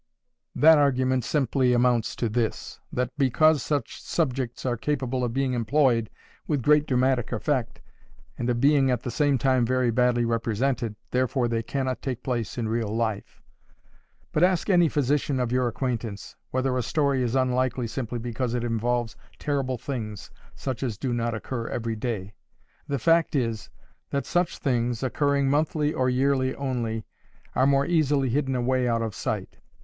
That argument simply amounts to this: that, because such subjects are capable of being employed with great dramatic effect, and of being at the same time very badly represented, therefore they cannot take place in real life. But ask any physician of your acquaintance, whether a story is unlikely simply because it involves terrible things such as do not occur every day. The fact is, that such things, occurring monthly or yearly only, are more easily hidden away out of sight.